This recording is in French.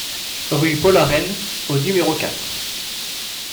Rue Paul Aréne au numéro quatre